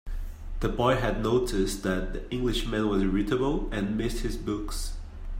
The boy had noticed that the Englishman was irritable, and missed his books.